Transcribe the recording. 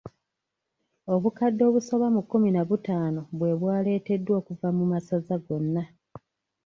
Obukadde obusoba mu kumi na butaano bwe bwaleeteddwa okuva mu masaza gona.